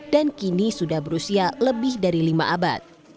dan kini sudah berusia lebih dari lima abad